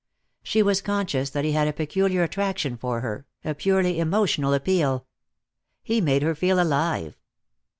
She was conscious that he had a peculiar attraction for her, a purely emotional appeal. He made her feel alive.